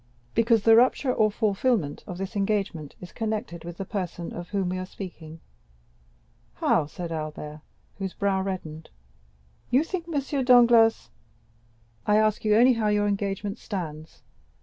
"Because the rupture or fulfilment of this engagement is connected with the person of whom we were speaking." "How?" said Albert, whose brow reddened; "you think M. Danglars——" "I ask you only how your engagement stands?